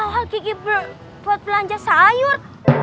ngawal kiki buat belanja sayur